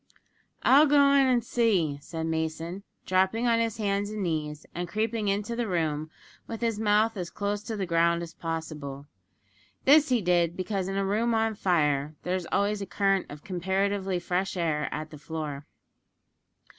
"I'll go in an' see," said Mason, dropping on his hands and knees, and creeping into the room with his mouth as close to the ground as possible. This he did, because in a room on fire there is always a current of comparatively fresh air at the floor.